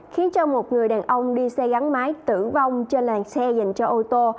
khiến một người đàn ông đi xe gắn máy tử vong trên làn xe dành cho ô tô